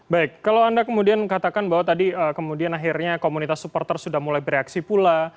baik kalau anda kemudian katakan bahwa tadi kemudian akhirnya komunitas supporter sudah mulai bereaksi pula